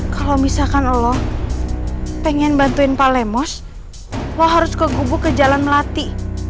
kalo misalkan lo pengen bantuin pak lemos lo harus ke gubuk ke jalan melati